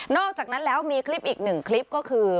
อกจากนั้นแล้วมีคลิปอีกหนึ่งคลิปก็คือ